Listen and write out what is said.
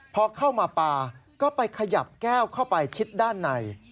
พอเข้ามาปลาก็ไปขยับแก้วเข้าไปชิดด้านใน